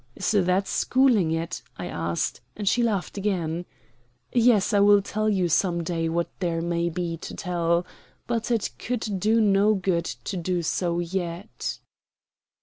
"Is that schooling it?" I asked, and she laughed again. "Yes, I will tell you some day what there may be to tell. But it could do no good to do so yet."